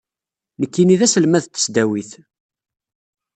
Nekkini d aselmad n tesdawit.